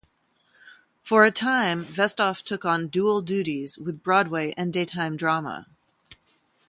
For a time, Vestoff took on dual duties with Broadway and daytime drama.